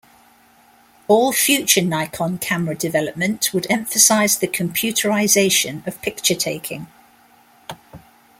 All future Nikon camera development would emphasize the computerization of picture taking.